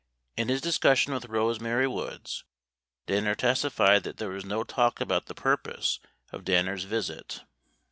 43 In his discussion with Rose Marv Woods, Danner testi fied that there was no talk about the purpose of Danner's visit.